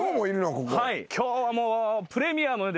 ここ。